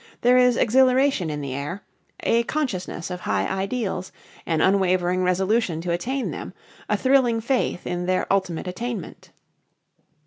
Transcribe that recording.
There is exhilaration in the air; a consciousness of high ideals; an unwavering resolution to attain them; a thrilling faith in their ultimate attainment.